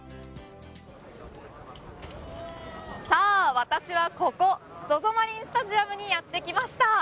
私はここＺＯＺＯマリンスタジアムにやってきました。